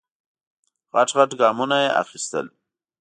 غټ غټ ګامونه یې واخیستل.